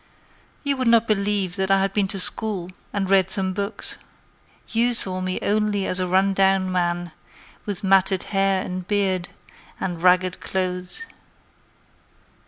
You would not believe that I had been to school And read some books. You saw me only as a run down man With matted hair and beard And ragged clothes.